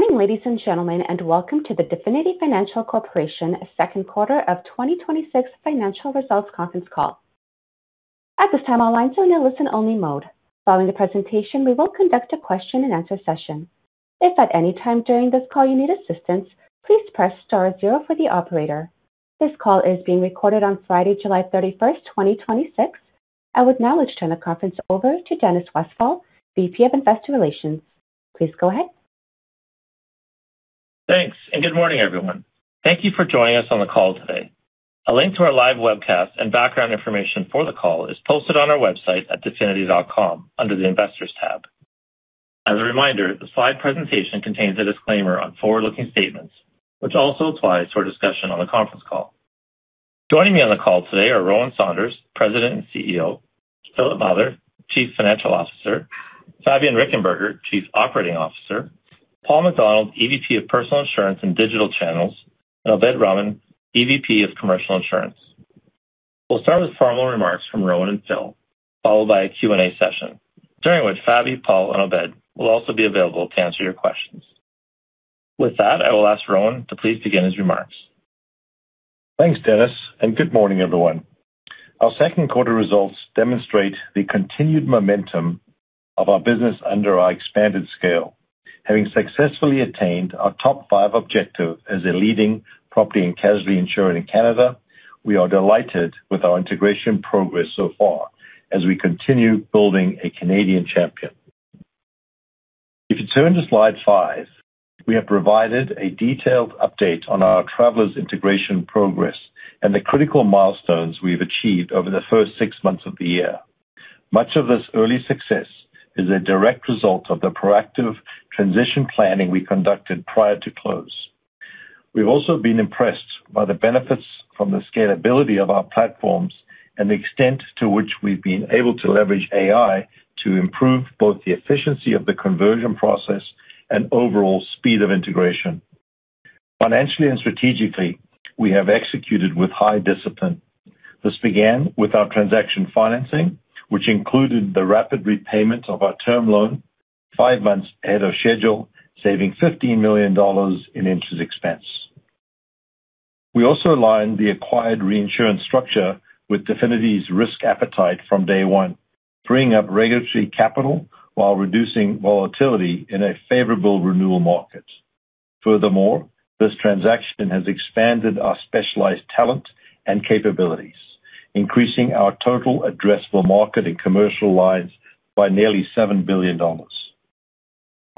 Good morning, ladies and gentlemen, and welcome to the Definity Financial Corporation second quarter of 2026 financial results conference call. At this time, all lines are in a listen-only mode. Following the presentation, we will conduct a question-and-answer session. If at any time during this call you need assistance, please press star zero for the operator. This call is being recorded on Friday, July 31st, 2026. I would now like to turn the conference over to Dennis Westfall, VP of Investor Relations. Please go ahead. Thanks. Good morning, everyone. Thank you for joining us on the call today. A link to our live webcast and background information for the call is posted on our website at definity.com under the Investors tab. As a reminder, the slide presentation contains a disclaimer on forward-looking statements, which also applies to our discussion on the conference call. Joining me on the call today are Rowan Saunders, President and CEO; Philip Mather, Chief Financial Officer; Fabi Richenberger, Chief Operating Officer; Paul MacDonald, EVP of Personal Insurance and Digital Channels; and Obaid Rahman, EVP of Commercial Insurance. We'll start with formal remarks from Rowan and Phil, followed by a Q&A session, during which Fabi, Paul, and Obed will also be available to answer your questions. With that, I will ask Rowan to please begin his remarks. Thanks, Dennis. Good morning, everyone. Our second quarter results demonstrate the continued momentum of our business under our expanded scale. Having successfully attained our top five objective as a leading property and casualty insurer in Canada, we are delighted with our integration progress so far as we continue building a Canadian champion. If you turn to slide five, we have provided a detailed update on our Travelers integration progress and the critical milestones we've achieved over the first six months of the year. Much of this early success is a direct result of the proactive transition planning we conducted prior to close. We've also been impressed by the benefits from the scalability of our platforms and the extent to which we've been able to leverage AI to improve both the efficiency of the conversion process and overall speed of integration. Financially and strategically, we have executed with high discipline. This began with our transaction financing, which included the rapid repayment of our term loan five months ahead of schedule, saving 15 million dollars in interest expense. We also aligned the acquired reinsurance structure with Definity's risk appetite from day one, freeing up regulatory capital while reducing volatility in a favorable renewal market. Furthermore, this transaction has expanded our specialized talent and capabilities, increasing our total addressable market and commercial lines by nearly 7 billion dollars.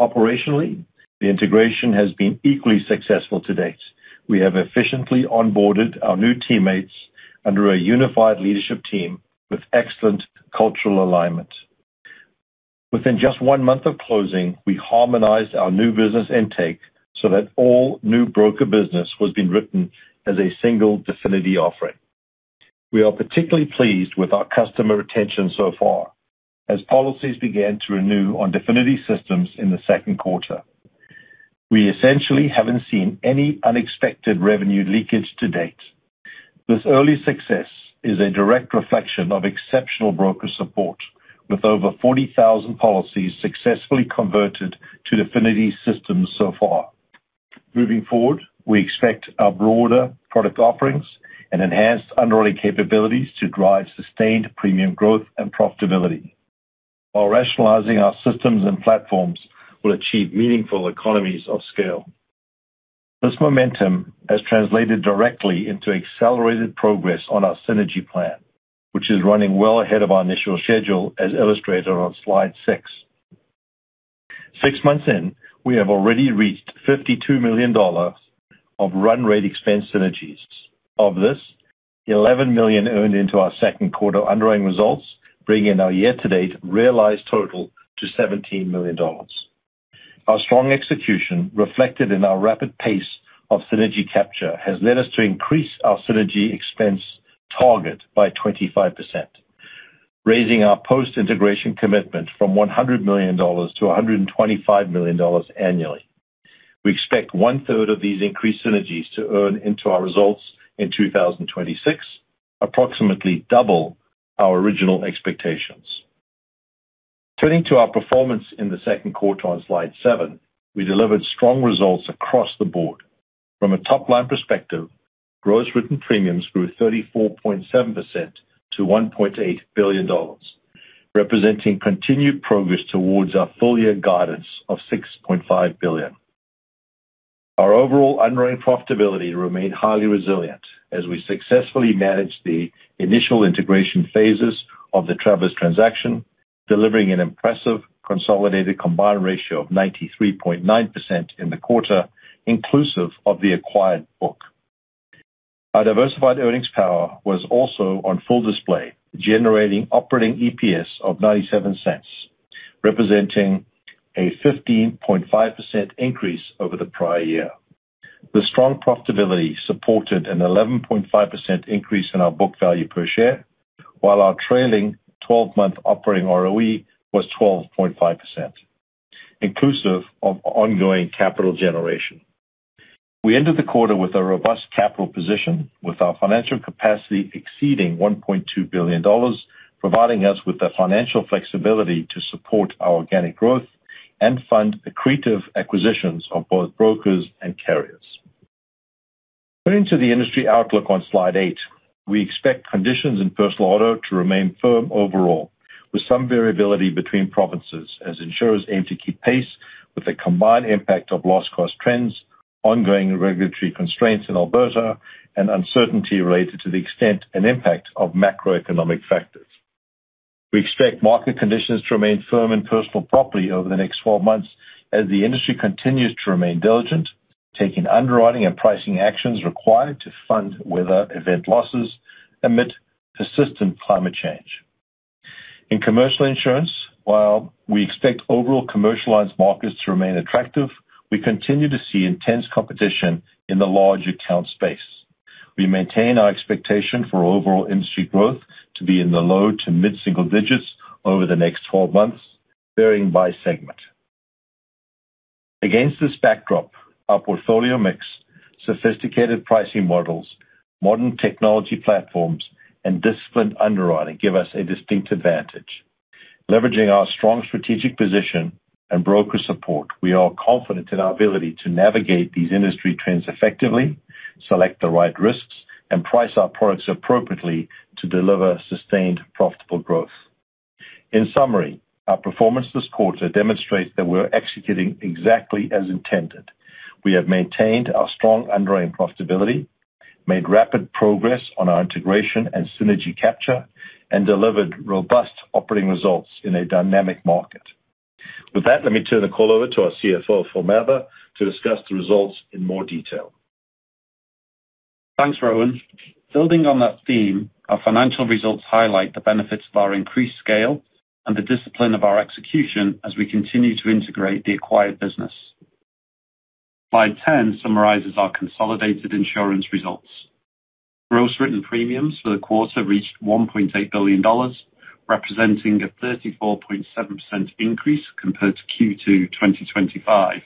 Operationally, the integration has been equally successful to date. We have efficiently onboarded our new teammates under a unified leadership team with excellent cultural alignment. Within just one month of closing, we harmonized our new business intake so that all new broker business was being written as a single Definity offering. We are particularly pleased with our customer retention so far as policies began to renew on Definity systems in the second quarter. We essentially haven't seen any unexpected revenue leakage to date. This early success is a direct reflection of exceptional broker support, with over 40,000 policies successfully converted to Definity systems so far. Moving forward, we expect our broader product offerings and enhanced underwriting capabilities to drive sustained premium growth and profitability. While rationalizing our systems and platforms will achieve meaningful economies of scale. This momentum has translated directly into accelerated progress on our synergy plan, which is running well ahead of our initial schedule, as illustrated on slide six. Six months in, we have already reached 52 million dollars of run rate expense synergies. Of this, 11 million earned into our second quarter underwriting results, bringing our year-to-date realized total to 17 million dollars. Our strong execution reflected in our rapid pace of synergy capture has led us to increase our synergy expense target by 25%, raising our post-integration commitment from 100 million-125 million dollars annually. We expect 1/3 of these increased synergies to earn into our results in 2026, approximately double our original expectations. Turning to our performance in the second quarter on slide seven, we delivered strong results across the board. From a top-line perspective, gross written premiums grew 34.7% to 1.8 billion dollars, representing continued progress towards our full year guidance of 6.5 billion. Our overall underwriting profitability remained highly resilient as we successfully managed the initial integration phases of the Travelers transaction, delivering an impressive consolidated combined ratio of 93.9% in the quarter, inclusive of the acquired book. Our diversified earnings power was also on full display, generating operating EPS of 0.97, representing a 15.5% increase over the prior year. The strong profitability supported an 11.5% increase in our book value per share, while our trailing 12-month operating ROE was 12.5%, inclusive of ongoing capital generation. We ended the quarter with a robust capital position with our financial capacity exceeding 1.2 billion dollars, providing us with the financial flexibility to support our organic growth and fund accretive acquisitions of both brokers and carriers. Turning to the industry outlook on slide eight. We expect conditions in personal auto to remain firm overall, with some variability between provinces as insurers aim to keep pace with the combined impact of loss cost trends, ongoing regulatory constraints in Alberta, and uncertainty related to the extent and impact of macroeconomic factors. We expect market conditions to remain firm in personal property over the next 12 months as the industry continues to remain diligent, taking underwriting and pricing actions required to fund weather event losses amid persistent climate change. In commercial insurance, while we expect overall commercialized markets to remain attractive, we continue to see intense competition in the large account space. We maintain our expectation for overall industry growth to be in the low to mid-single digits over the next 12 months, varying by segment. Against this backdrop, our portfolio mix, sophisticated pricing models, modern technology platforms, and disciplined underwriting give us a distinct advantage. Leveraging our strong strategic position and broker support, we are confident in our ability to navigate these industry trends effectively, select the right risks, and price our products appropriately to deliver sustained profitable growth. In summary, our performance this quarter demonstrates that we're executing exactly as intended. We have maintained our strong underwriting profitability, made rapid progress on our integration and synergy capture, and delivered robust operating results in a dynamic market. With that, let me turn the call over to our CFO, Phil Mather, to discuss the results in more detail. Thanks, Rowan. Building on that theme, our financial results highlight the benefits of our increased scale and the discipline of our execution as we continue to integrate the acquired business. Slide 10 summarizes our consolidated insurance results. Gross written premiums for the quarter reached 1.8 billion dollars, representing a 34.7% increase compared to Q2 2025,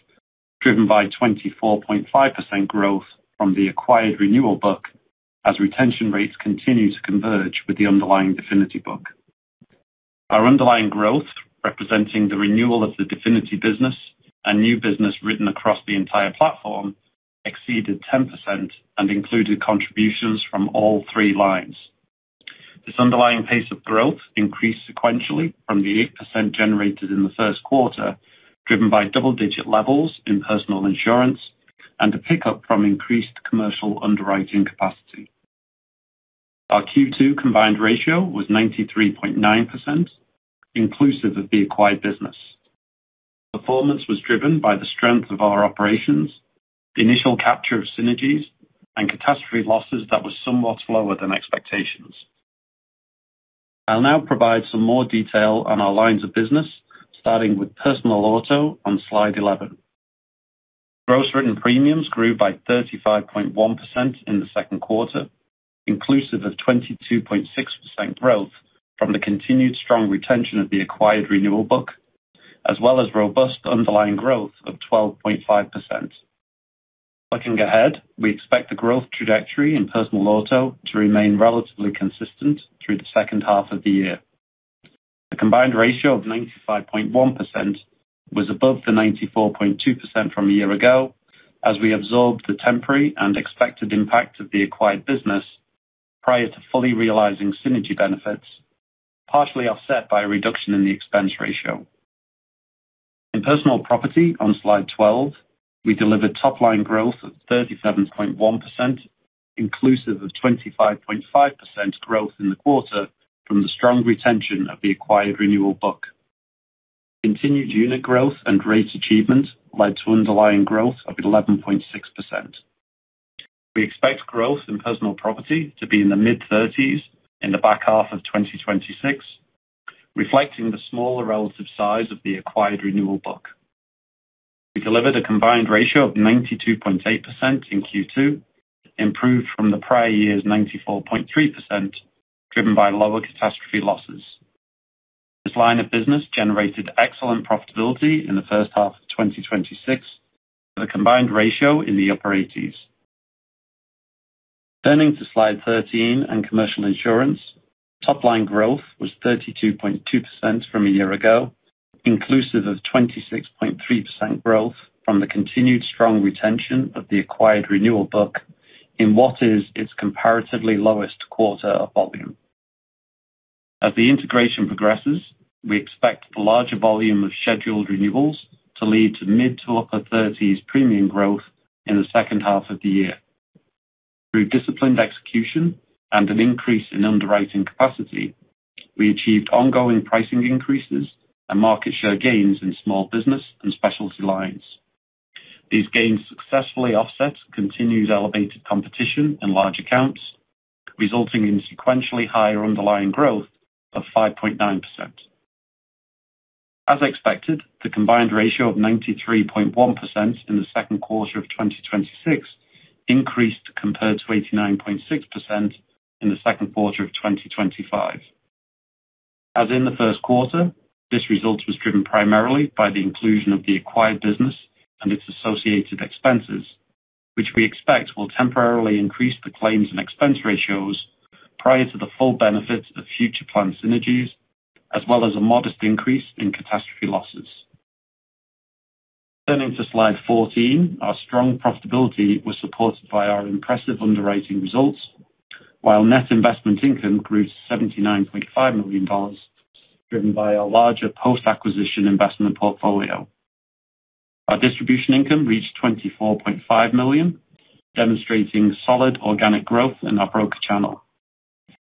driven by 24.5% growth from the acquired renewal book as retention rates continue to converge with the underlying Definity book. Our underlying growth, representing the renewal of the Definity business and new business written across the entire platform, exceeded 10% and included contributions from all three lines. This underlying pace of growth increased sequentially from the 8% generated in the first quarter, driven by double-digit levels in personal insurance and a pickup from increased commercial underwriting capacity. Our Q2 combined ratio was 93.9%, inclusive of the acquired business. Performance was driven by the strength of our operations, the initial capture of synergies, and catastrophe losses that were somewhat lower than expectations. I'll now provide some more detail on our lines of business, starting with personal auto on slide 11. Gross written premiums grew by 35.1% in the second quarter, inclusive of 22.6% growth from the continued strong retention of the acquired renewal book, as well as robust underlying growth of 12.5%. Looking ahead, we expect the growth trajectory in personal auto to remain relatively consistent through the second half of the year. The combined ratio of 95.1% was above the 94.2% from a year ago as we absorbed the temporary and expected impact of the acquired business prior to fully realizing synergy benefits, partially offset by a reduction in the expense ratio. In personal property on slide 12, we delivered top-line growth of 37.1%, inclusive of 25.5% growth in the quarter from the strong retention of the acquired renewal book. Continued unit growth and rate achievement led to underlying growth of 11.6%. We expect growth in personal property to be in the mid-30s in the back half of 2026, reflecting the smaller relative size of the acquired renewal book. We delivered a combined ratio of 92.8% in Q2, improved from the prior year's 94.3%, driven by lower catastrophe losses. This line of business generated excellent profitability in the first half of 2026 with a combined ratio in the upper 80s. Turning to slide 13 and commercial insurance. Top-line growth was 32.2% from a year ago, inclusive of 26.3% growth from the continued strong retention of the acquired renewal book in what is its comparatively lowest quarter of volume. As the integration progresses, we expect the larger volume of scheduled renewals to lead to mid to upper 30s premium growth in the second half of the year. Through disciplined execution and an increase in underwriting capacity, we achieved ongoing pricing increases and market share gains in small business and specialty lines. These gains successfully offset continued elevated competition in large accounts, resulting in sequentially higher underlying growth of 5.9%. As expected, the combined ratio of 93.1% in the second quarter of 2026 increased compared to 89.6% in the second quarter of 2025. As in the first quarter, this result was driven primarily by the inclusion of the acquired business and its associated expenses, which we expect will temporarily increase the claims and expense ratios prior to the full benefits of future planned synergies, as well as a modest increase in catastrophe losses. Turning to slide 14. Our strong profitability was supported by our impressive underwriting results, while net investment income grew to 79.5 million dollars, driven by our larger post-acquisition investment portfolio. Our distribution income reached 24.5 million, demonstrating solid organic growth in our broker channel.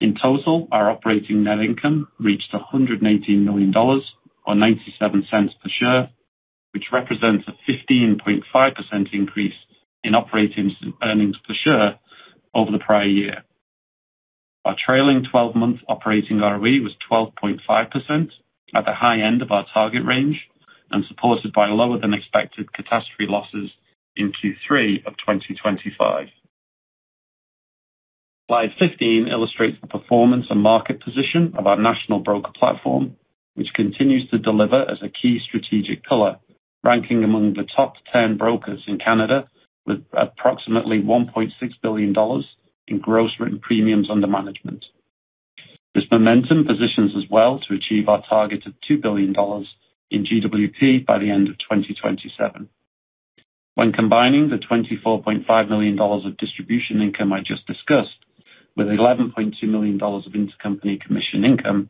In total, our operating net income reached 118 million dollars, or 0.97 per share, which represents a 15.5% increase in operating EPS over the prior year. Our trailing 12-month operating ROE was 12.5% at the high end of our target range and supported by lower than expected catastrophe losses in Q3 of 2025. Slide 15 illustrates the performance and market position of our national broker platform, which continues to deliver as a key strategic pillar, ranking among the top 10 brokers in Canada with approximately 1.6 billion dollars in gross written premiums under management. This momentum positions us well to achieve our target of 2 billion dollars in GWP by the end of 2027. When combining the 24.5 million dollars of distribution income I just discussed with 11.2 million dollars of intercompany commission income,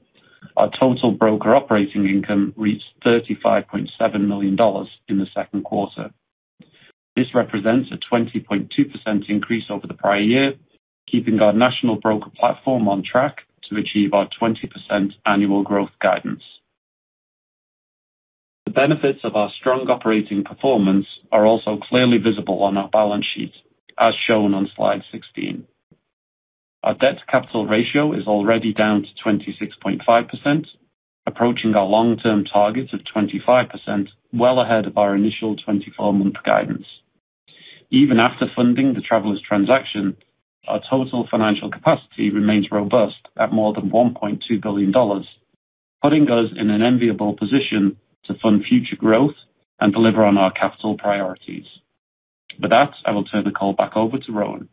our total broker operating income reached 35.7 million dollars in the second quarter. This represents a 20.2% increase over the prior year, keeping our national broker platform on track to achieve our 20% annual growth guidance. The benefits of our strong operating performance are also clearly visible on our balance sheet, as shown on slide 16. Our debt-to-capital ratio is already down to 26.5%, approaching our long-term target of 25%, well ahead of our initial 24-month guidance. Even after funding the Travelers transaction, our total financial capacity remains robust at more than 1.2 billion dollars, putting us in an enviable position to fund future growth and deliver on our capital priorities. With that, I will turn the call back over to Rowan.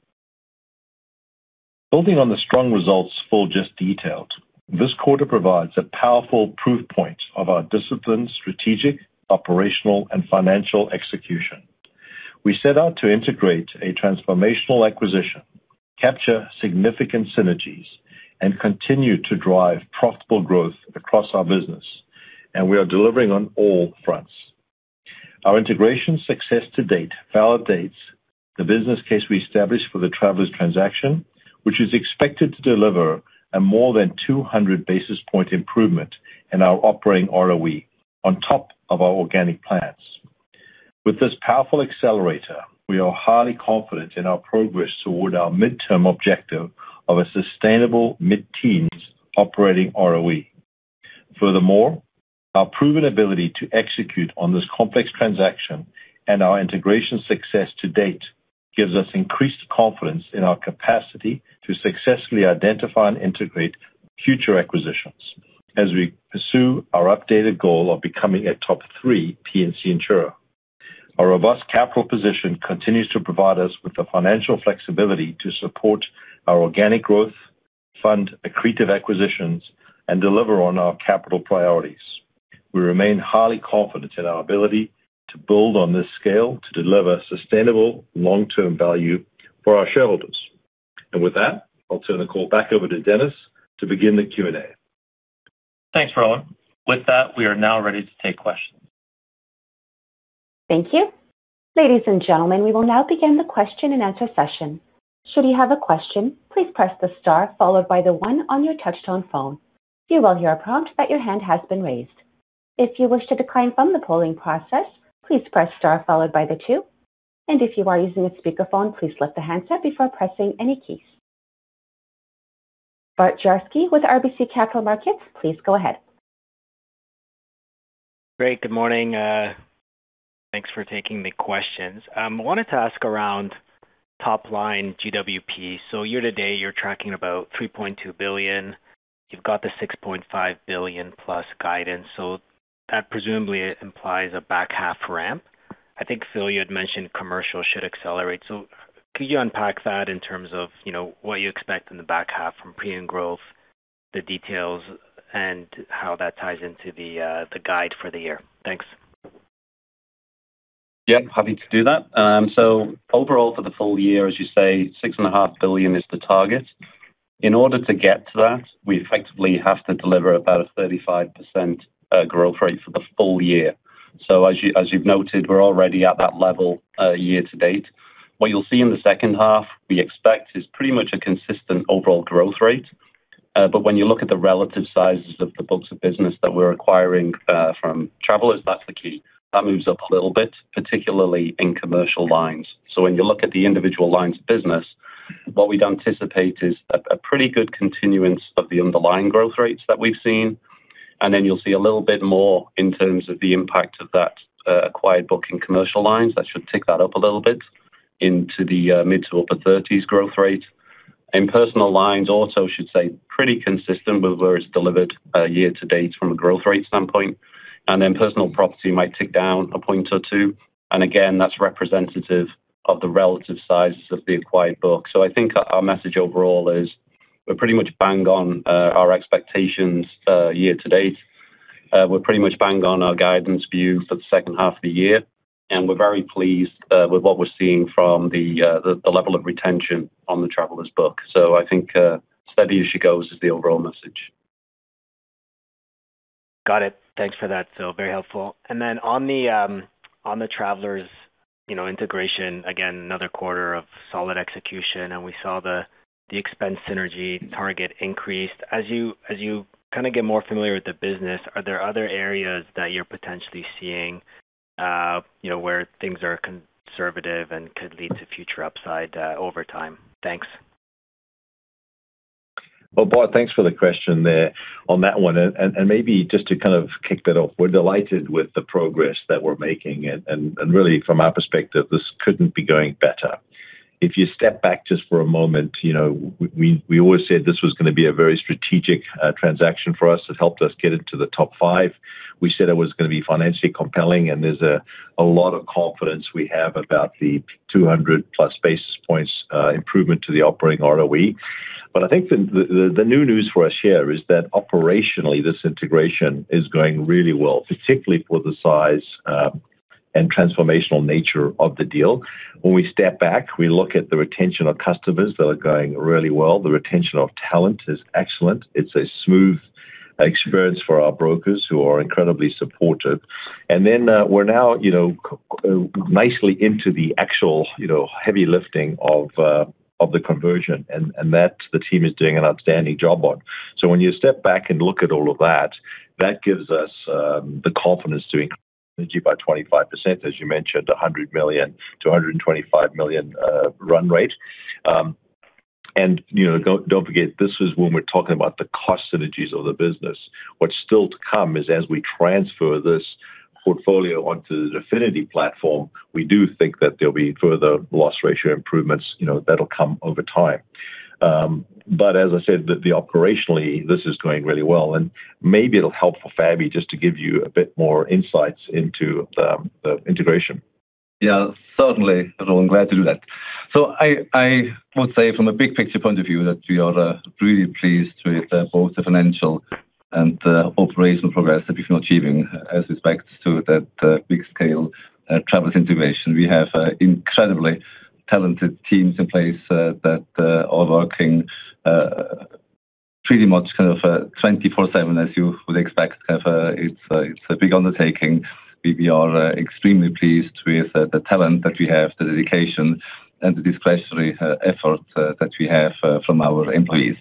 Building on the strong results Phil just detailed, this quarter provides a powerful proof point of our disciplined strategic, operational, and financial execution. We set out to integrate a transformational acquisition, capture significant synergies, and continue to drive profitable growth across our business, and we are delivering on all fronts. Our integration success to date validates the business case we established for the Travelers transaction, which is expected to deliver a more than 200 basis point improvement in our operating ROE on top of our organic plans. With this powerful accelerator, we are highly confident in our progress toward our midterm objective of a sustainable mid-teens operating ROE. Furthermore, our proven ability to execute on this complex transaction and our integration success to date gives us increased confidence in our capacity to successfully identify and integrate future acquisitions as we pursue our updated goal of becoming a top three P&C insurer. Our robust capital position continues to provide us with the financial flexibility to support our organic growth fund, accretive acquisitions, and deliver on our capital priorities. We remain highly confident in our ability to build on this scale to deliver sustainable long-term value for our shareholders. With that, I'll turn the call back over to Dennis to begin the Q&A. Thanks, Rowan. With that, we are now ready to take questions. Thank you. Ladies and gentlemen, we will now begin the question-and-answer session. Should you have a question, please press the star followed by the one on your touch tone phone. You will hear a prompt that your hand has been raised. If you wish to decline from the polling process, please press star followed by the two. If you are using a speakerphone, please lift the handset before pressing any keys. Bart Dziarski with RBC Capital Markets, please go ahead. Great. Good morning. Thanks for taking the questions. I wanted to ask around top line GWP. Year to date, you're tracking about 3.2 billion. You've got the 6.5 billion plus guidance. That presumably implies a back half ramp. I think, Phil, you had mentioned commercial should accelerate. Could you unpack that in terms of what you expect in the back half from premium growth, the details, and how that ties into the guide for the year? Thanks. Happy to do that. Overall, for the full year, as you say, 6.5 billion is the target. In order to get to that, we effectively have to deliver about a 35% growth rate for the full year. As you've noted, we're already at that level year to date. What you'll see in the second half, we expect is pretty much a consistent overall growth rate. When you look at the relative sizes of the books of business that we're acquiring from Travelers, that's the key. That moves up a little bit, particularly in commercial lines. When you look at the individual lines of business, what we'd anticipate is a pretty good continuance of the underlying growth rates that we've seen. You'll see a little bit more in terms of the impact of that acquired book in commercial lines. That should tick that up a little bit Into the mid to upper 30s growth rate. In personal lines, also should say pretty consistent with where it's delivered year to date from a growth rate standpoint. Personal property might tick down a point or two, and again, that's representative of the relative sizes of the acquired book. I think our message overall is we're pretty much bang on our expectations year to date. We're pretty much bang on our guidance view for the second half of the year, and we're very pleased with what we're seeing from the level of retention on the Travelers book. I think steady as she goes is the overall message. Got it. Thanks for that, Phil. Very helpful. Then on the Travelers integration, again, another quarter of solid execution, and we saw the expense synergy target increased. As you get more familiar with the business, are there other areas that you're potentially seeing where things are conservative and could lead to future upside over time? Thanks. Well, Bart, thanks for the question there on that one. Maybe just to kind of kick that off, we're delighted with the progress that we're making, and really, from our perspective, this couldn't be going better. If you step back just for a moment, we always said this was going to be a very strategic transaction for us. It helped us get into the top five. We said it was going to be financially compelling, and there's a lot of confidence we have about the 200+ basis points improvement to the operating ROE. I think the new news for us here is that operationally, this integration is going really well, particularly for the size and transformational nature of the deal. When we step back, we look at the retention of customers that are going really well. The retention of talent is excellent. It's a smooth experience for our brokers who are incredibly supportive. Then we're now nicely into the actual heavy lifting of the conversion, and that the team is doing an outstanding job on. When you step back and look at all of that gives us the confidence to increase energy by 25%, as you mentioned, 100 million-125 million run rate. Don't forget, this is when we're talking about the cost synergies of the business. What's still to come is as we transfer this portfolio onto the Definity platform, we do think that there'll be further loss ratio improvements that'll come over time. As I said, operationally, this is going really well, and maybe it'll help for Fabi just to give you a bit more insights into the integration. Yeah, certainly, Rowan. Glad to do that. I would say from a big picture point of view, that we are really pleased with both the financial and operational progress that we've been achieving as respects to that big scale Travelers integration. We have incredibly talented teams in place that are working pretty much 24/7, as you would expect. It's a big undertaking. We are extremely pleased with the talent that we have, the dedication, and the discretionary effort that we have from our employees.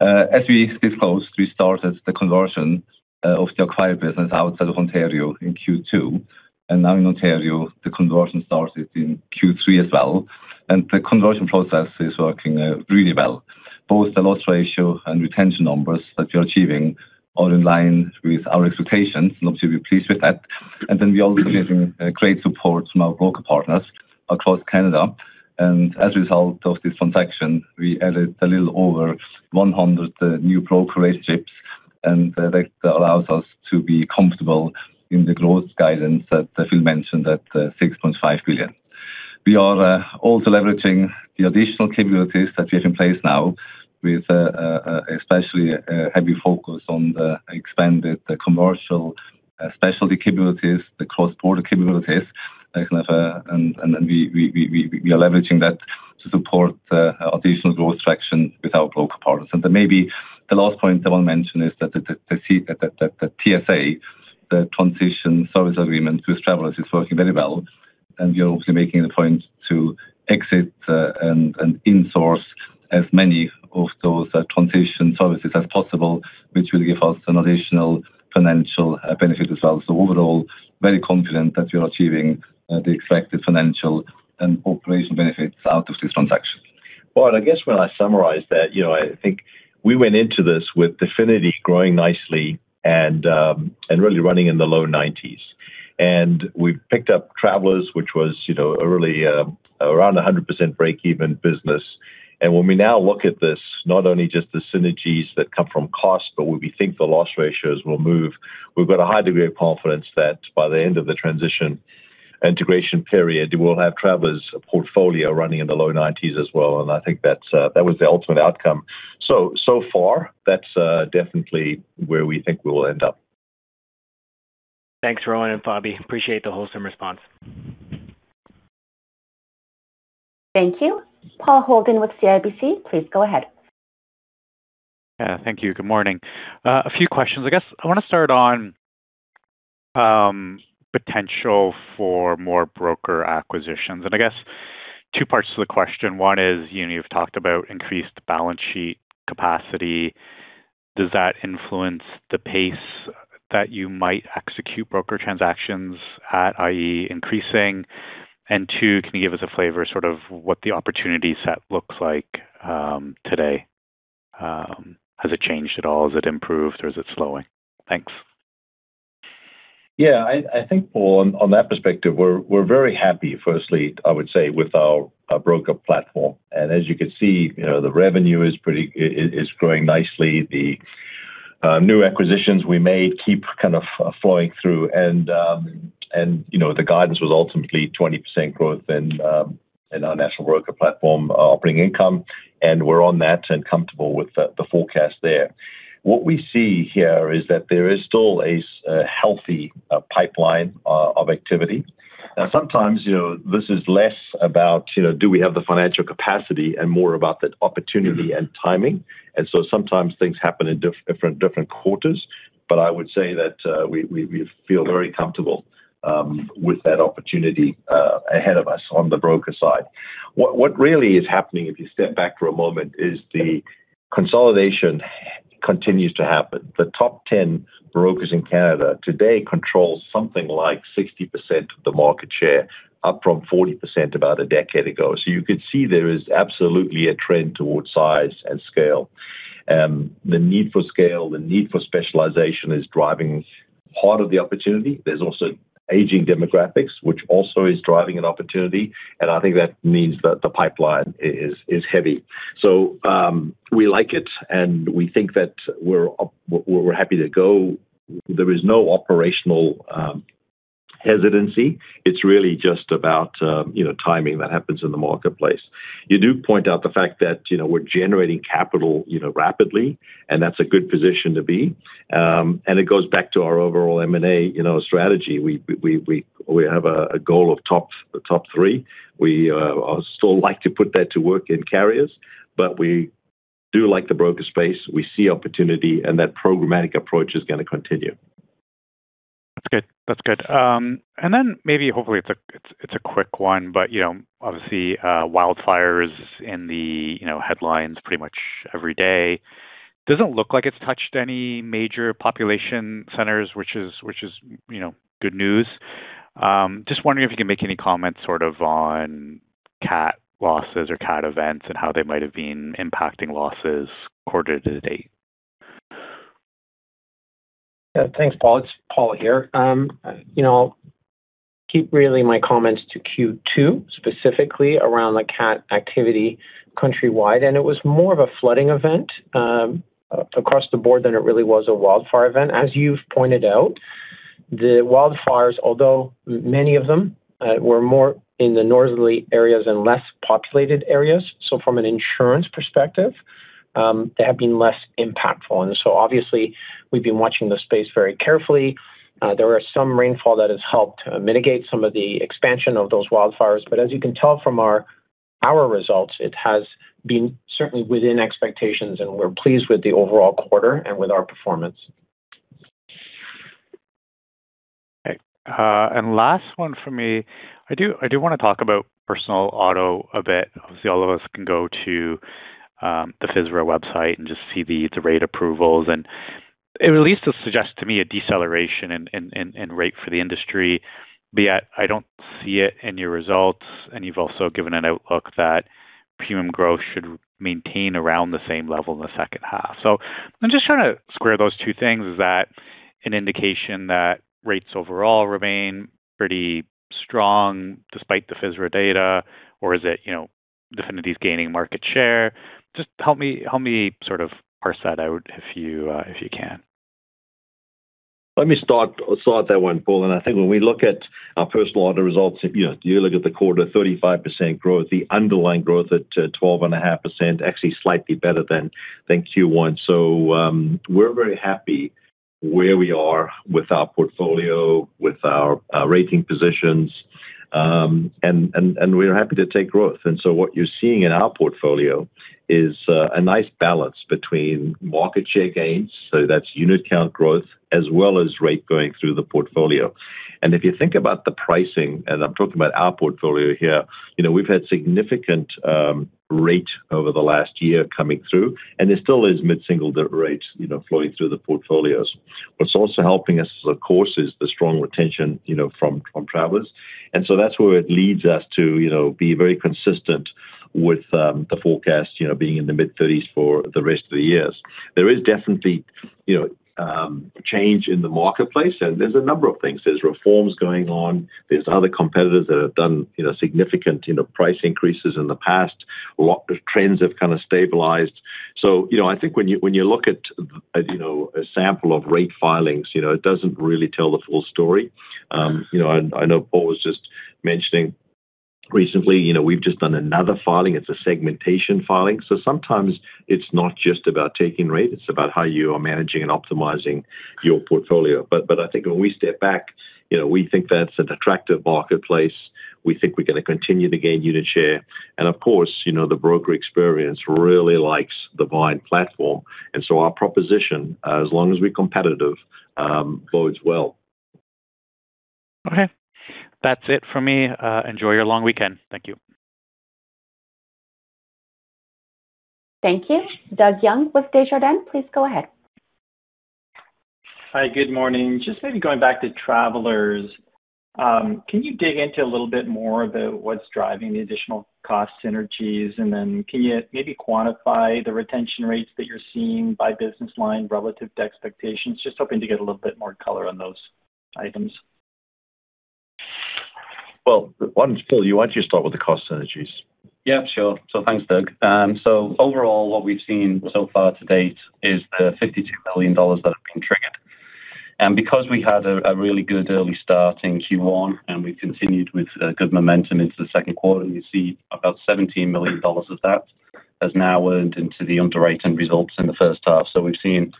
As we disclosed, we started the conversion of the acquired business outside of Ontario in Q2, and now in Ontario, the conversion started in Q3 as well, and the conversion process is working really well. Both the loss ratio and retention numbers that we're achieving are in line with our expectations, and obviously we're pleased with that. We're also getting great support from our broker partners across Canada. As a result of this transaction, we added a little over 100 new broker relationships, and that allows us to be comfortable in the growth guidance that Phil mentioned at 6.5 billion. We are also leveraging the additional capabilities that we have in place now with especially a heavy focus on the expanded commercial specialty capabilities, the cross-border capabilities. We are leveraging that to support additional growth traction with our broker partners. Maybe the last point I want to mention is that the TSA, the transition service agreement with Travelers, is working very well, and we are also making the point to exit and in-source as many of those transition services as possible, which will give us an additional financial benefit as well. Overall, very confident that we are achieving the expected financial and operational benefits out of this transaction. Well, I guess when I summarize that, I think we went into this with Definity growing nicely and really running in the low 90s. We've picked up Travelers, which was early around 100% break-even business. When we now look at this, not only just the synergies that come from cost, but where we think the loss ratios will move, we've got a high degree of confidence that by the end of the transition integration period, we will have Travelers portfolio running in the low 90s as well, and I think that was the ultimate outcome. So far, that's definitely where we think we will end up. Thanks, Rowan and Fabi. Appreciate the wholesome response. Thank you. Paul Holden with CIBC, please go ahead. Thank you. Good morning. A few questions. I guess I want to start on potential for more broker acquisitions. I guess two parts to the question. One is, you've talked about increased balance sheet capacity. Does that influence the pace that you might execute broker transactions at, i.e., increasing? Two, can you give us a flavor sort of what the opportunity set looks like today? Has it changed at all? Has it improved, or is it slowing? Thanks. I think, Paul, on that perspective, we're very happy, firstly, I would say, with our broker platform. As you can see, the revenue is growing nicely. The new acquisitions we made keep kind of flowing through. The guidance was ultimately 20% growth in our national broker platform operating income, and we're on that and comfortable with the forecast there. What we see here is that there is still a healthy pipeline of activity. Sometimes, this is less about do we have the financial capacity and more about the opportunity and timing. Sometimes things happen in different quarters. I would say that we feel very comfortable with that opportunity ahead of us on the broker side. What really is happening, if you step back for a moment, is the consolidation continues to happen. The top 10 brokers in Canada today control something like 60% of the market share, up from 40% about a decade ago. You could see there is absolutely a trend towards size and scale. The need for scale, the need for specialization is driving part of the opportunity. There's also aging demographics, which also is driving an opportunity, and I think that means that the pipeline is heavy. We like it, and we think that we're happy to go. There is no operational hesitancy. It's really just about timing that happens in the marketplace. You do point out the fact that we're generating capital rapidly, and that's a good position to be. It goes back to our overall M&A strategy. We have a goal of top three. We still like to put that to work in carriers. We do like the broker space. We see opportunity. That programmatic approach is going to continue. That's good. Maybe, hopefully it's a quick one. Obviously, wildfires in the headlines pretty much every day. Doesn't look like it's touched any major population centers, which is good news. Just wondering if you can make any comments sort of on cat losses or cat events and how they might have been impacting losses quarter to date. Yeah, thanks, Paul. It's Paul here. I'll keep really my comments to Q2, specifically around the cat activity countrywide. It was more of a flooding event across the board than it really was a wildfire event. As you've pointed out, the wildfires, although many of them were more in the northerly areas and less populated areas, from an insurance perspective, they have been less impactful. Obviously, we've been watching the space very carefully. There are some rainfall that has helped mitigate some of the expansion of those wildfires. As you can tell from our results, it has been certainly within expectations, and we're pleased with the overall quarter and with our performance. Okay. Last one from me. I do want to talk about personal auto a bit. Obviously, all of us can go to the FSRA website and just see the rate approvals. It at least suggests to me a deceleration in rate for the industry. Be it, I don't see it in your results. You've also given an outlook that PM growth should maintain around the same level in the second half. I'm just trying to square those two things. Is that an indication that rates overall remain pretty strong despite the FSRA data, or is it Definity's gaining market share? Just help me sort of parse that out if you can. Let me start that one, Paul, I think when we look at our personal auto results, you look at the quarter, 35% growth, the underlying growth at 12.5%, actually slightly better than Q1. We're very happy where we are with our portfolio, with our rating positions, we're happy to take growth. What you're seeing in our portfolio is a nice balance between market share gains, that's unit count growth, as well as rate going through the portfolio. If you think about the pricing, I'm talking about our portfolio here, we've had significant rate over the last year coming through, there still is mid-single-digit rate flowing through the portfolios. What's also helping us, of course, is the strong retention from Travelers. That's where it leads us to be very consistent with the forecast being in the mid-30s for the rest of the years. There is definitely change in the marketplace, there's a number of things. There's reforms going on. There's other competitors that have done significant price increases in the past. A lot of trends have kind of stabilized. I think when you look at a sample of rate filings, it doesn't really tell the full story. I know Paul was just mentioning recently we've just done another filing. It's a segmentation filing. Sometimes it's not just about taking rate. It's about how you are managing and optimizing your portfolio. I think when we step back, we think that's an attractive marketplace. We think we're going to continue to gain unit share. Of course, the broker experience really likes the Vyne platform. Our proposition, as long as we're competitive, bodes well. Okay. That's it for me. Enjoy your long weekend. Thank you. Thank you. Doug Young with Desjardins, please go ahead. Hi, good morning. Maybe going back to Travelers? Can you dig into a little bit more about what's driving the additional cost synergies? Can you maybe quantify the retention rates that you're seeing by business line relative to expectations? Hoping to get a little bit more color on those items. Well, Phil, why don't you start with the cost synergies? Yeah, sure. Thanks, Doug. Overall, what we've seen so far to date is the 52 million dollars that have been triggered. Because we had a really good early start in Q1 and we've continued with good momentum into the second quarter, you see about 17 million dollars of that has now earned into the underwriting results in the first half. We've seen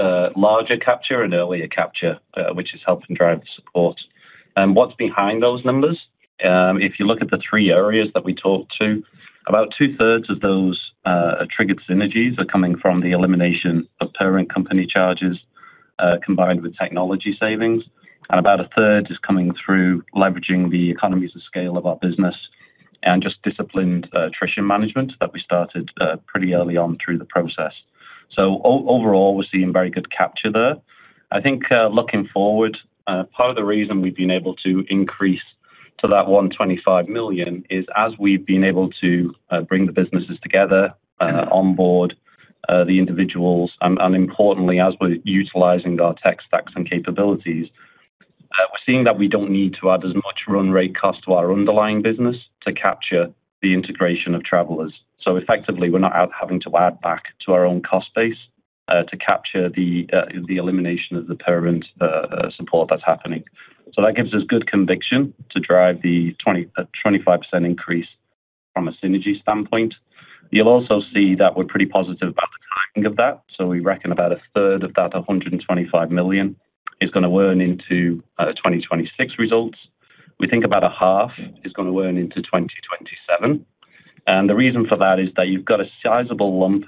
larger capture and earlier capture, which has helped drive the support. What's behind those numbers? If you look at the three areas that we talked to, about 2/3 of those triggered synergies are coming from the elimination of parent company charges, combined with technology savings. About a third is coming through leveraging the economies of scale of our business and just disciplined attrition management that we started pretty early on through the process. Overall, we're seeing very good capture there. I think, looking forward, part of the reason we've been able to increase to that 125 million is as we've been able to bring the businesses together, onboard the individuals, and importantly, as we're utilizing our tech stacks and capabilities, we're seeing that we don't need to add as much run rate cost to our underlying business to capture the integration of Travelers. Effectively, we're not out having to add back to our own cost base to capture the elimination of the parent support that's happening. That gives us good conviction to drive the 25% increase from a synergy standpoint. You'll also see that we're pretty positive about the timing of that. We reckon about 1/3 of that 125 million is going to earn into 2026 results. We think about a half is going to earn into 2027. The reason for that is that you've got a sizable lump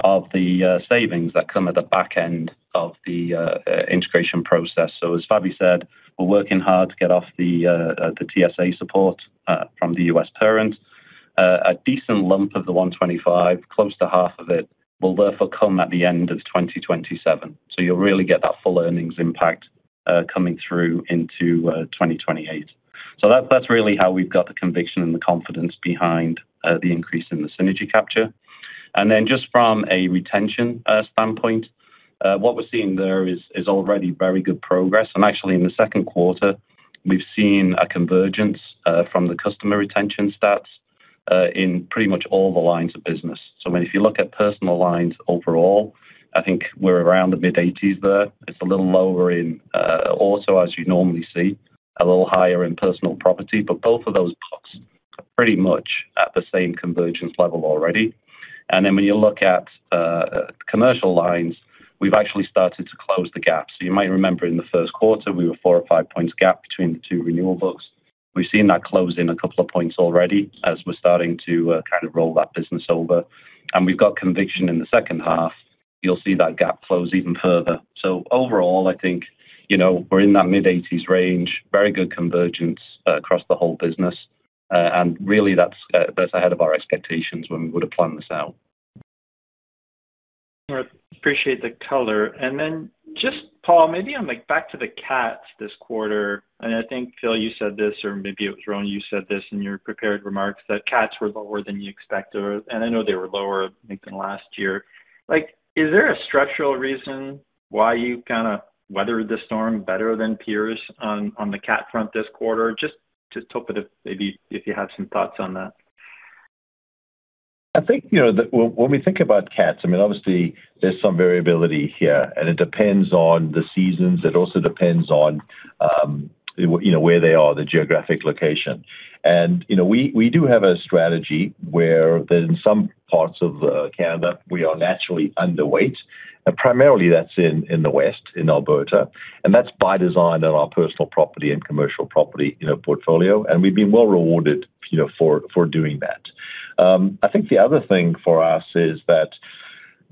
of the savings that come at the back end of the integration process. As Fabi said, we're working hard to get off the TSA support from the U.S. parent. A decent lump of the 125, close to half of it, will therefore come at the end of 2027. You'll really get that full earnings impact coming through into 2028. That's really how we've got the conviction and the confidence behind the increase in the synergy capture. Then just from a retention standpoint, what we're seeing there is already very good progress. Actually in the second quarter, we've seen a convergence from the customer retention stats in pretty much all the lines of business. I mean, if you look at personal lines overall, I think we're around the mid-80s there. It's a little lower in auto, as you'd normally see, a little higher in personal property, but both of those buckets are pretty much at the same convergence level already. Then when you look at commercial lines, we've actually started to close the gap. You might remember in the first quarter, we were four or five points gap between the two renewal books. We've seen that close in a couple of points already as we're starting to kind of roll that business over, and we've got conviction in the second half you'll see that gap close even further. Overall, I think we're in that mid-80s range. Very good convergence across the whole business. Really that's ahead of our expectations when we would have planned this out. All right. Appreciate the color. Then just, Paul, maybe on back to the CAT this quarter, and I think, Phil, you said this, or maybe it was Rowan, you said this in your prepared remarks, that CATs were lower than you expected. I know they were lower than last year. Is there a structural reason why you kind of weathered the storm better than peers on the CAT front this quarter? Just hoping if you have some thoughts on that. I think when we think about CATs, I mean, obviously there is some variability here, and it depends on the seasons. It also depends on where they are, the geographic location. We do have a strategy where in some parts of Canada, we are naturally underweight. Primarily that is in the west, in Alberta. That is by design in our personal property and commercial property portfolio. We have been well rewarded for doing that. I think the other thing for us is that,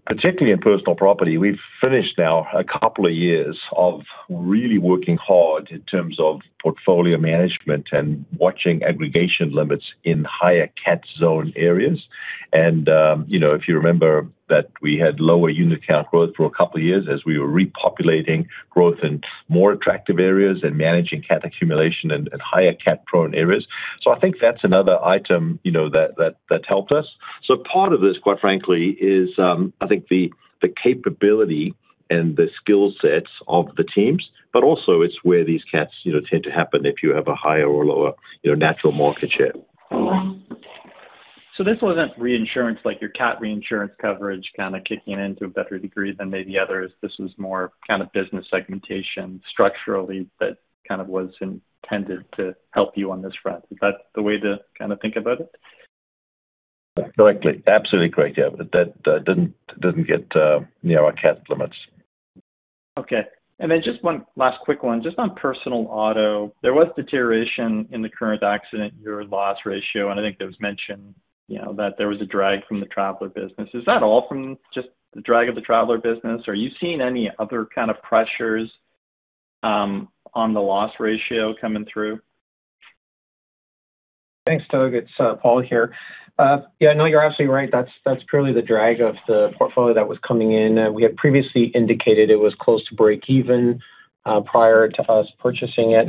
particularly in personal property, we have finished now a couple of years of really working hard in terms of portfolio management and watching aggregation limits in higher CAT zone areas. If you remember that we had lower unit count growth for a couple of years as we were repopulating growth in more attractive areas and managing CAT accumulation in higher CAT-prone areas. I think that is another item that helped us. Part of this, quite frankly, is I think the capability and the skill sets of the teams, but also it is where these CATs tend to happen if you have a higher or lower natural market share. This was not reinsurance, like your CAT reinsurance coverage kind of kicking in to a better degree than maybe others. This was more kind of business segmentation structurally that kind of was intended to help you on this front. Is that the way to kind of think about it? Correctly. Absolutely correct, yeah. That did not get near our CAT limits. Okay. Just one last quick one, just on personal auto. There was deterioration in the current accident year loss ratio, and I think there was mention that there was a drag from the Travelers business. Is that all from just the drag of the Travelers business? Are you seeing any other kind of pressures on the loss ratio coming through? Thanks, Doug. It's Paul here. Yeah, no, you're absolutely right. That's purely the drag of the portfolio that was coming in. We had previously indicated it was close to breakeven prior to us purchasing it.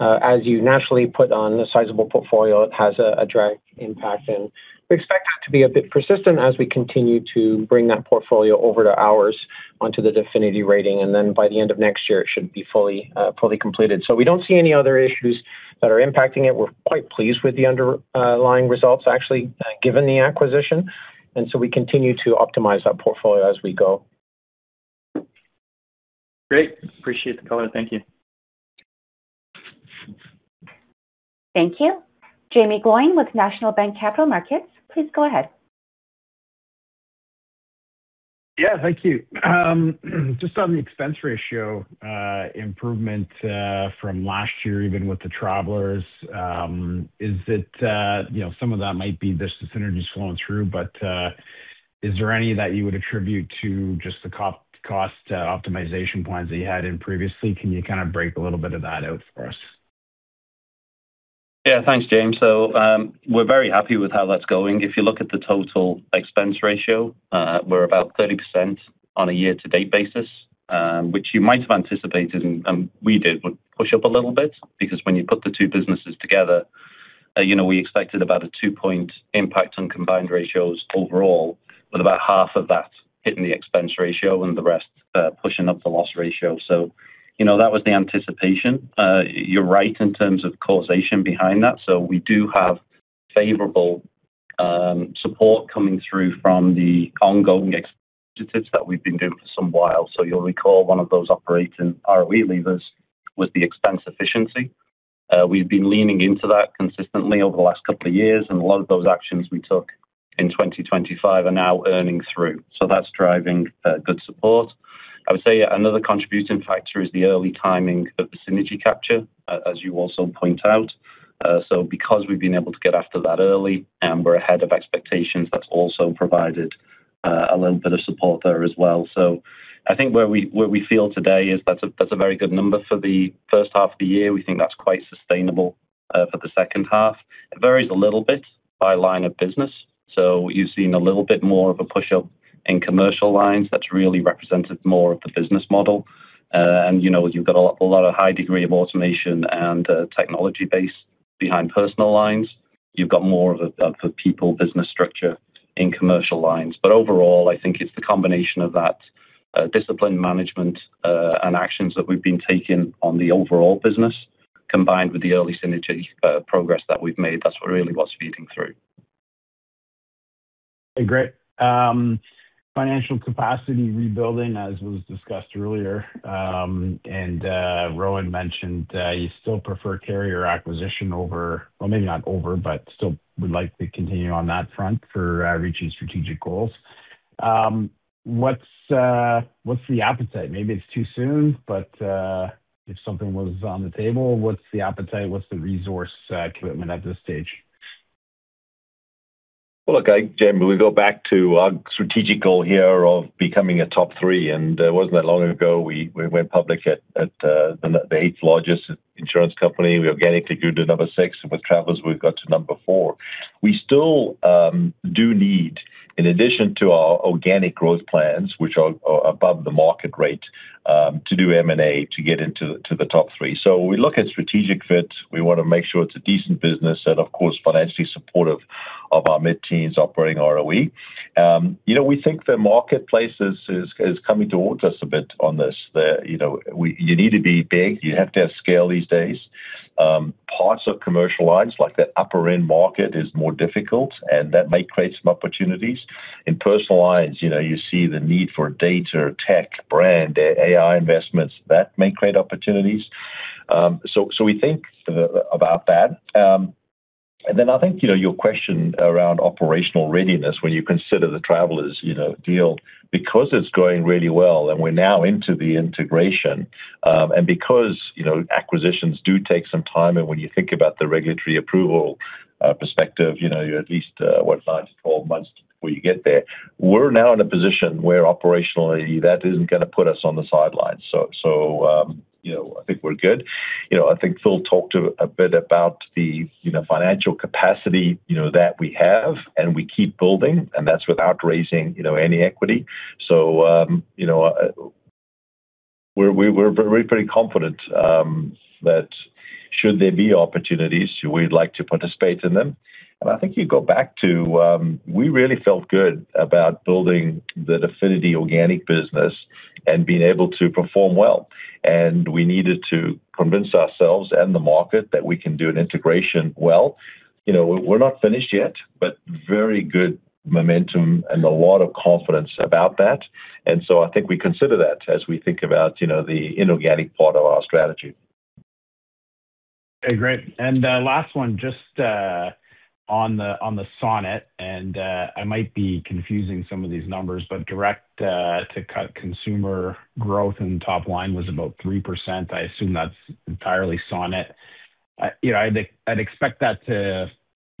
As you naturally put on a sizable portfolio, it has a drag impact, and we expect it to be a bit persistent as we continue to bring that portfolio over to ours onto the Definity rating. By the end of next year, it should be fully completed. We don't see any other issues that are impacting it. We're quite pleased with the underlying results, actually, given the acquisition. We continue to optimize that portfolio as we go. Great. Appreciate the color. Thank you. Thank you. Jaeme Gloyn with National Bank Capital Markets, please go ahead. Thank you. Just on the expense ratio improvement from last year, even with the Travelers. Some of that might be just the synergies flowing through, but is there any that you would attribute to just the cost optimization plans that you had in previously? Can you kind of break a little bit of that out for us? Yeah. Thanks, Jaeme. We're very happy with how that's going. If you look at the total expense ratio, we're about 30% on a year-to-date basis, which you might have anticipated, and we did, would push up a little bit because when you put the two businesses together, we expected about a two-point impact on combined ratios overall, with about half of that hitting the expense ratio and the rest pushing up the loss ratio. That was the anticipation. You're right in terms of causation behind that. We do have favorable support coming through from the ongoing initiatives that we've been doing for some while. You'll recall one of those operating ROE levers was the expense efficiency. We've been leaning into that consistently over the last couple of years, and a lot of those actions we took in 2025 are now earning through. That's driving good support. I would say another contributing factor is the early timing of the synergy capture, as you also point out. Because we've been able to get after that early and we're ahead of expectations, that's also provided a little bit of support there as well. I think where we feel today is that's a very good number for the first half of the year. We think that's quite sustainable for the second half. It varies a little bit by line of business. You've seen a little bit more of a push-up in commercial lines that's really representative more of the business model. You've got a lot of high degree of automation and technology base behind personal lines. You've got more of a people business structure in commercial lines. Overall, I think it's the combination of that disciplined management, and actions that we've been taking on the overall business, combined with the early synergy progress that we've made. That's really what's feeding through. Great. Financial capacity rebuilding, as was discussed earlier. Rowan mentioned you still prefer carrier acquisition over Well, maybe not over, but still would like to continue on that front for reaching strategic goals. What's the appetite? Maybe it's too soon, but if something was on the table, what's the appetite? What's the resource commitment at this stage? Well, look, Jaeme, we go back to our strategic goal here of becoming a top three, it wasn't that long ago we went public at the eighth largest insurance company. We organically grew to number six. With Travelers, we've got to number four. We still do need, in addition to our organic growth plans, which are above the market rate, to do M&A to get into the top three. We look at strategic fit. We want to make sure it's a decent business and of course, financially supportive of our mid-teens operating ROE. We think the marketplace is coming towards us a bit on this. You need to be big. You have to have scale these days. Parts of commercial lines, like that upper end market is more difficult, and that may create some opportunities. In personal lines, you see the need for data, tech, brand, AI investments. That may create opportunities. We think about that. I think your question around operational readiness when you consider the Travelers deal, because it's going really well and we're now into the integration, and because acquisitions do take some time, and when you think about the regulatory approval perspective, you're at least, what, nine to 12 months before you get there. We're now in a position where operationally, that isn't going to put us on the sidelines. I think we're good. I think Phil talked a bit about the financial capacity that we have and we keep building, and that's without raising any equity. We're very confident that should there be opportunities, we'd like to participate in them. I think you go back to, we really felt good about building the Definity organic business and being able to perform well. We needed to convince ourselves and the market that we can do an integration well. We're not finished yet, but very good momentum and a lot of confidence about that. I think we consider that as we think about the inorganic part of our strategy. Last one, just on the Sonnet, I might be confusing some of these numbers, but direct-to-consumer growth in the top line was about 3%. I assume that's entirely Sonnet. I'd expect that.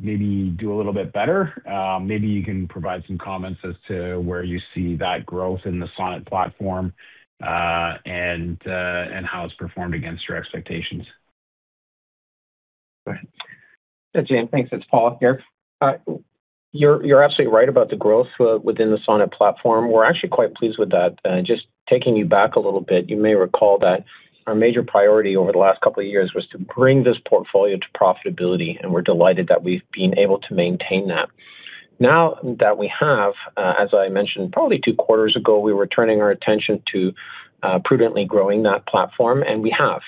Maybe do a little bit better. Maybe you can provide some comments as to where you see that growth in the Sonnet platform, and how it's performed against your expectations. Yeah, Jaeme, thanks. It's Paul here. You're absolutely right about the growth within the Sonnet platform. We're actually quite pleased with that. Just taking you back a little bit, you may recall that our major priority over the last couple of years was to bring this portfolio to profitability, and we're delighted that we've been able to maintain that. Now that we have, as I mentioned probably two quarters ago, we were turning our attention to prudently growing that platform, and we have.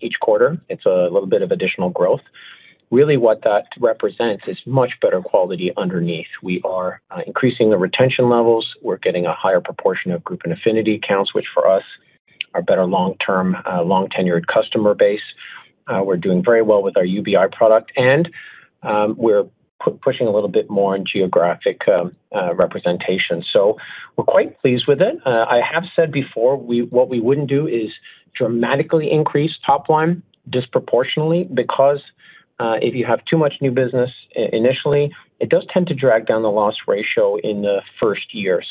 Each quarter, it's a little bit of additional growth. Really what that represents is much better quality underneath. We are increasing the retention levels. We're getting a higher proportion of group and affinity accounts, which for us are better long-term, long-tenured customer base. We're doing very well with our UBI product, and we're pushing a little bit more on geographic representation. We're quite pleased with it. I have said before, what we wouldn't do is dramatically increase top line disproportionately, because if you have too much new business initially, it does tend to drag down the loss ratio in the first year.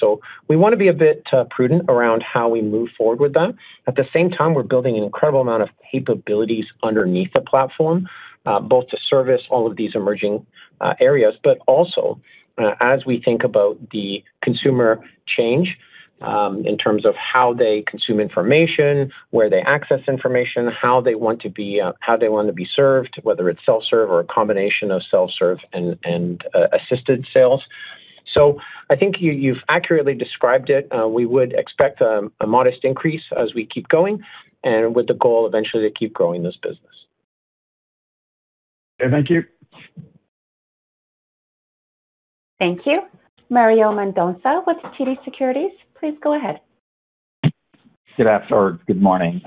We want to be a bit prudent around how we move forward with that. At the same time, we're building an incredible amount of capabilities underneath the platform, both to service all of these emerging areas. Also as we think about the consumer change, in terms of how they consume information, where they access information, how they want to be served, whether it's self-serve or a combination of self-serve and assisted sales. I think you've accurately described it. We would expect a modest increase as we keep going and with the goal eventually to keep growing this business. Okay. Thank you. Thank you. Mario Mendonca with TD Securities, please go ahead. Good afternoon or good morning.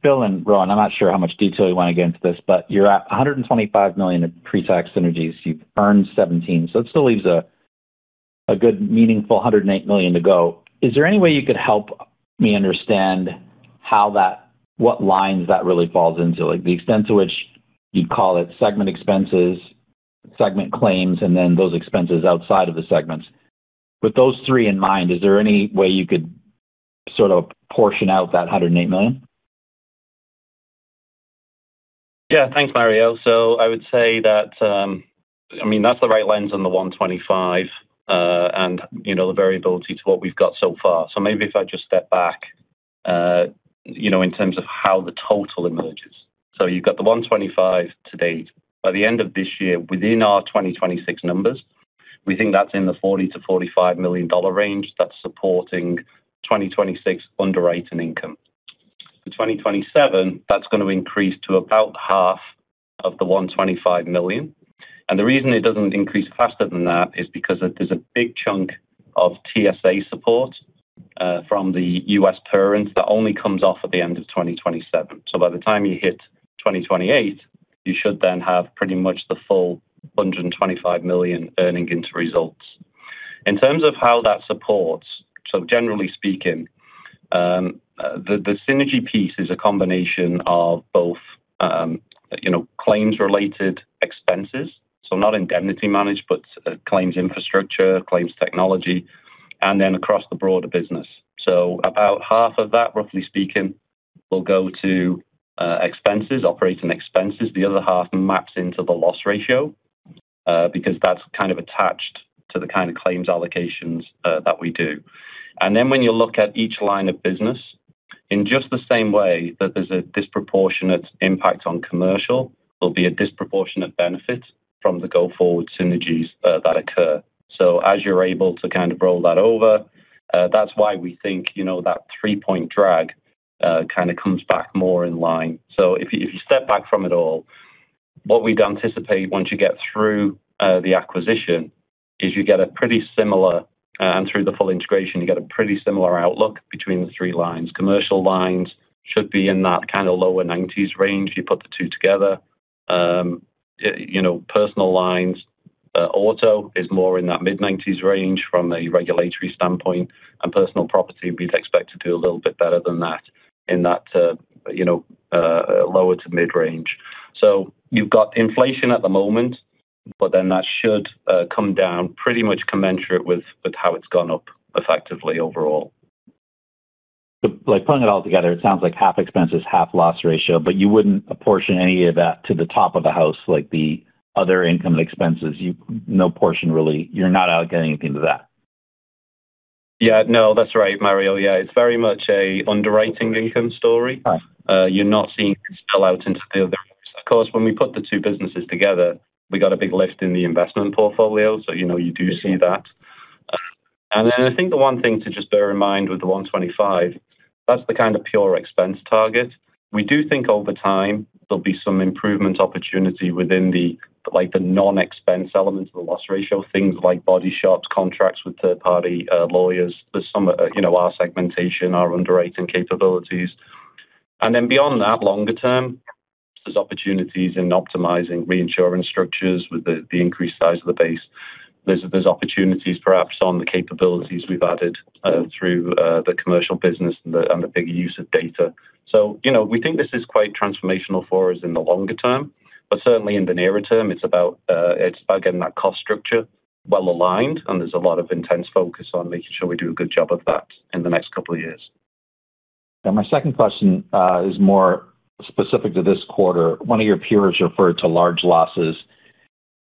Phil and Rowan, I'm not sure how much detail you want to get into this, but you're at 125 million of pre-tax synergies. You've earned 17 million, so it still leaves a good, meaningful 108 million to go. Is there any way you could help me understand what lines that really falls into? Like the extent to which you'd call it segment expenses, segment claims, and then those expenses outside of the segments. With those three in mind, is there any way you could sort of portion out that 108 million? Yeah, thanks, Mario. I would say that's the right lens on the 125 million, and the variability to what we've got so far. Maybe if I just step back, in terms of how the total emerges. You've got the 125 million to date. By the end of this year, within our 2026 numbers, we think that's in the 40 million-45 million dollar range that's supporting 2026 underwriting income. For 2027, that's going to increase to about half of the 125 million. And the reason it doesn't increase faster than that is because there's a big chunk of TSA support from the U.S. parents that only comes off at the end of 2027. By the time you hit 2028, you should then have pretty much the full 125 million earning into results. In terms of how that supports, generally speaking, the synergy piece is a combination of both claims-related expenses, so not indemnity managed, but claims infrastructure, claims technology, and then across the broader business. About half of that, roughly speaking, will go to operating expenses. The other half maps into the loss ratio, because that's kind of attached to the kind of claims allocations that we do. And then when you look at each line of business, in just the same way that there's a disproportionate impact on commercial, there'll be a disproportionate benefit from the go-forward synergies that occur. As you're able to kind of roll that over, that's why we think that three-point drag kind of comes back more in line. If you step back from it all, what we'd anticipate once you get through the acquisition is you get a pretty similar, and through the full integration, you get a pretty similar outlook between the three lines. Commercial lines should be in that kind of lower nineties range. You put the two together. Personal lines, auto is more in that mid-nineties range from a regulatory standpoint, and personal property we'd expect to do a little bit better than that in that lower to mid-range. You've got inflation at the moment, that should come down pretty much commensurate with how it's gone up effectively overall. Putting it all together, it sounds like half expenses, half loss ratio, you wouldn't apportion any of that to the top of the house, like the other income and expenses, no portion really. You're not allocating anything to that. No, that's right, Mario. It's very much a underwriting income story. Right. You're not seeing it spill out into the other areas. Of course, when we put the two businesses together, we got a big lift in the investment portfolio. You do see that. Yeah. I think the one thing to just bear in mind with the 125 million, that's the kind of pure expense target. We do think over time there'll be some improvement opportunity within the non-expense elements of the loss ratio, things like body shops, contracts with third-party lawyers, our segmentation, our underwriting capabilities. Beyond that, longer term, there's opportunities in optimizing reinsurance structures with the increased size of the base. There's opportunities perhaps on the capabilities we've added through the Commercial Insurance business and the bigger use of data. We think this is quite transformational for us in the longer term, but certainly in the nearer term, it's about getting that cost structure well-aligned, and there's a lot of intense focus on making sure we do a good job of that in the next couple of years. My second question is more specific to this quarter. One of your peers referred to large losses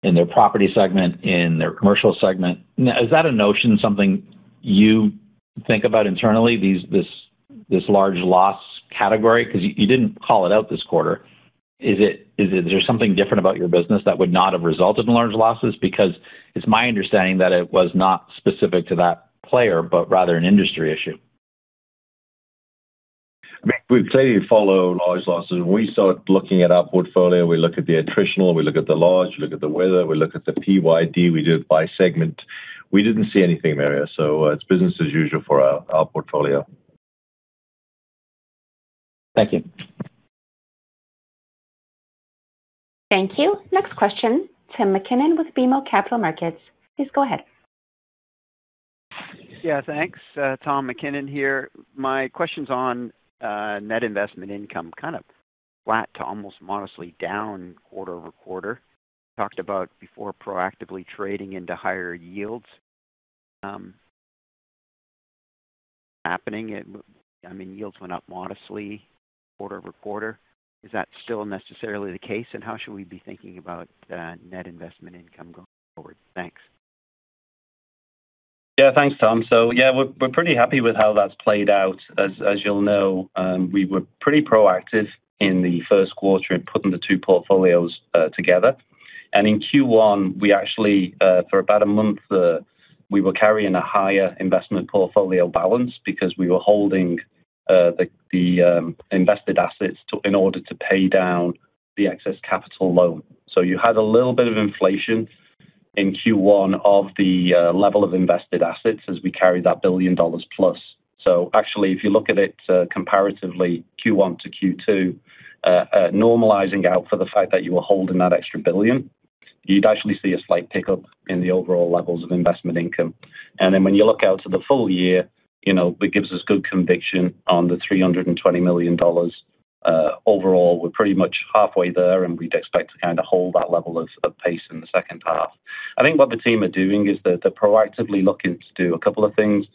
in their property segment, in their Commercial Insurance segment. Is that a notion something you think about internally, this large loss category? You didn't call it out this quarter. Is there something different about your business that would not have resulted in large losses? It's my understanding that it was not specific to that player, but rather an industry issue. I mean, we clearly follow large losses. When we start looking at our portfolio, we look at the attritional, we look at the large, we look at the weather, we look at the PYD, we do it by segment. We didn't see anything in the area, so it's business as usual for our portfolio. Thank you. Thank you. Next question, Tom MacKinnon with BMO Capital Markets. Please go ahead. Yeah, thanks. Tom MacKinnon here. My question is on net investment income, kind of flat to almost modestly down quarter-over-quarter. Talked about before proactively trading into higher yields. Happening, I mean, yields went up modestly quarter-over-quarter. Is that still necessarily the case? How should we be thinking about net investment income going forward? Thanks. Yeah, thanks, Tom. Yeah, we're pretty happy with how that's played out. As you'll know, we were pretty proactive in the first quarter in putting the two portfolios together. In Q1, we actually for about a month, we were carrying a higher investment portfolio balance because we were holding the invested assets in order to pay down the excess capital loan. You had a little bit of inflation in Q1 of the level of invested assets as we carried that 1 billion dollars+. Actually, if you look at it comparatively Q1 to Q2, normalizing out for the fact that you were holding that extra 1 billion, you'd actually see a slight pickup in the overall levels of investment income. Then when you look out to the full year, it gives us good conviction on the 320 million dollars. Overall, we're pretty much halfway there, we'd expect to kind of hold that level of pace in the second half. I think what the team are doing is they're proactively looking to do a couple of things.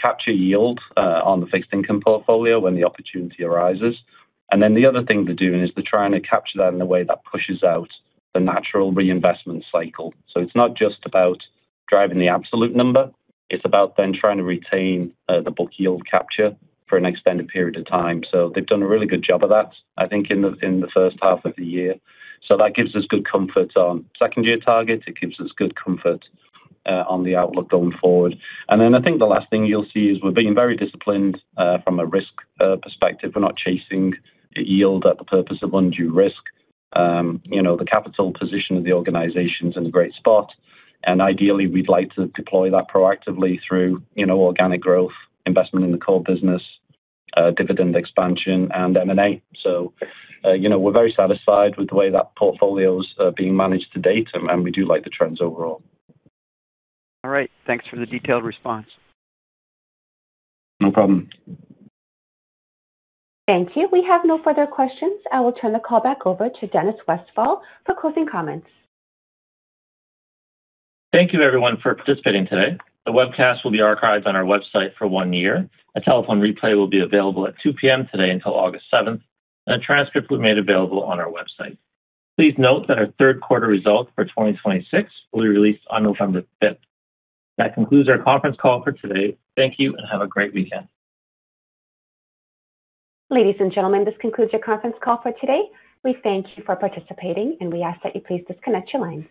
Capture yield on the fixed income portfolio when the opportunity arises. Then the other thing they're doing is they're trying to capture that in a way that pushes out the natural reinvestment cycle. It's not just about driving the absolute number, it's about then trying to retain the book yield capture for an extended period of time. They've done a really good job of that, I think in the first half of the year. That gives us good comfort on second-year targets. It gives us good comfort on the outlook going forward. I think the last thing you'll see is we're being very disciplined, from a risk perspective. We're not chasing yield at the purpose of undue risk. The capital position of the organization's in a great spot, and ideally, we'd like to deploy that proactively through organic growth, investment in the core business, dividend expansion, and M&A. We're very satisfied with the way that portfolio's being managed to date, and we do like the trends overall. All right. Thanks for the detailed response. No problem. Thank you. We have no further questions. I will turn the call back over to Dennis Westfall for closing comments. Thank you everyone for participating today. The webcast will be archived on our website for one year. A telephone replay will be available at 2:00 P.M. today until August 7th, and a transcript will be made available on our website. Please note that our third quarter results for 2026 will be released on November 5th. That concludes our conference call for today. Thank you and have a great weekend. Ladies and gentlemen, this concludes your conference call for today. We thank you for participating, and we ask that you please disconnect your lines.